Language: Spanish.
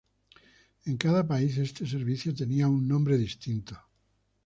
En cada país este servicio tenía un nombre distinto.